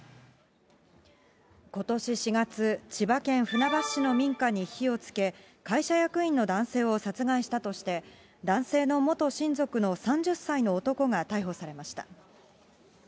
ことし４月、千葉県船橋市の民家に火をつけ、会社役員の男性を殺害したとして、男性の元親族の３０歳の男が逮捕されました。